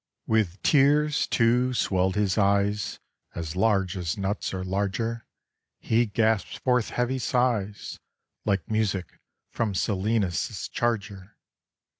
With tears, too, swelled his eyes, As large as nuts, or larger; He gasped forth heavy sighs, Like music from Silenus' charger.